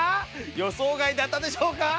予想外だったでしょうか？